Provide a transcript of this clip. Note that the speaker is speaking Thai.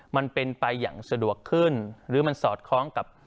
มันเป็นไปอย่างสะดวกขึ้นหรือมันสอดคล้องกับ